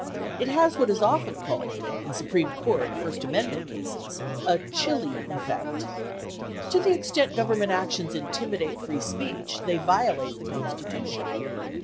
It has what is often called, in Supreme Court, first amendment cases, "a chilling effect." To the extent Gov ernment actions intimidate free speech, they violate the Constitution.